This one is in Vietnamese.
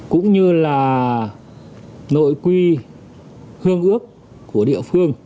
cũng như là nội quy hương ước của địa phương